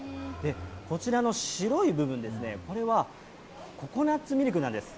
こちらの白い部分は、ココナッツミルクなんです。